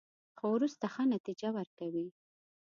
خو وروسته ښه نتیجه ورکوي.